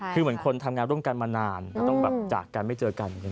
คือเหมือนคนทำงานร่วมกันมานานแล้วต้องแบบจากกันไม่เจอกัน